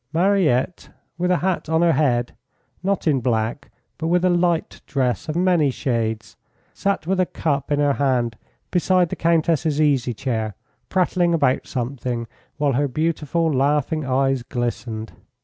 Mariette, with a hat on her head, not in black but with a light dress of many shades, sat with a cup in her hand beside the Countess's easy chair, prattling about something while her beautiful, laughing eyes glistened.